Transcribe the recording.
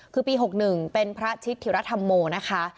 คือปีหกหนึ่งเป็นพระชิตธิวราชธรรโมนะคะ